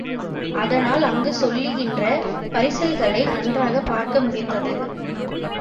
அதனால் அங்கு செல்கின்ற பரிசல்களை நன்றாகப் பார்க்க முடிந்தது.